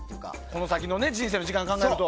この先の人生の時間を考えると。